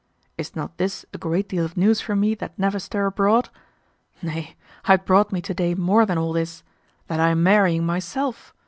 Is not this a great deal of news for me that never stir abroad? Nay, I had brought me to day more than all this: that I am marrying myself!